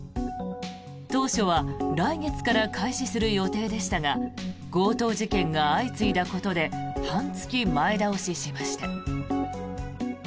当初は来月から開始する予定でしたが強盗事件が相次いだことで半月前倒ししました。